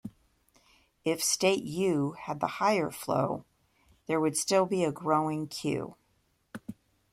If state U had the higher flow, there would still be a growing queue.